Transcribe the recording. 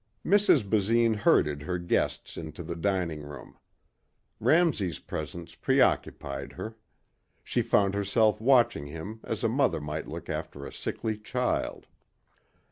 Mrs. Basine herded her guests into the dining room. Ramsey's presence preoccupied her. She found herself watching him as a mother might look after a sickly child.